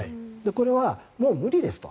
これはもう無理ですと。